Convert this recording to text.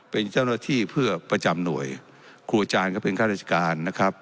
เป็นเจ้าหน้าที่เพื่อประจำหน่วยครูอาจารย์ก็เป็นข้าราชการนะครับ